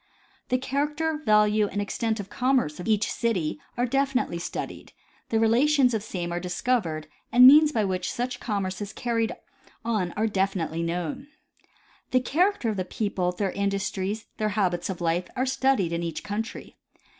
The character, value and extent of the commerce of each city are definitely studied; the relations of the same are discovered and means by which such commerce is carried on are definitely known. The character of the people, their industries, their habits of life, are studied in each country.